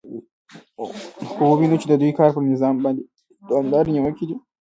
خو که ووینو چې د دوی کار پر نظام باندې دوامدارې نیوکې دي